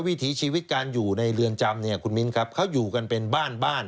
วิถีชีวิตการอยู่ในเรือนจำเนี่ยคุณมิ้นครับเขาอยู่กันเป็นบ้านบ้าน